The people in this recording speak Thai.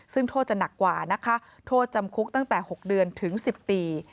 ซึ่งโทษจะหนักกว่านะคะโทษจำคุกตั้งแต่๖เดือนถึง๑๐ปี